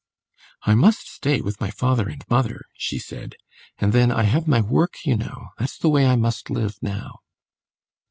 "I must stay with my father and mother," she said. "And then I have my work, you know. That's the way I must live now."